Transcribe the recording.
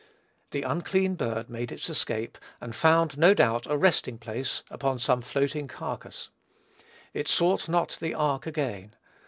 The unclean bird made its escape, and found, no doubt, a resting place upon some floating carcase. It sought not the ark again.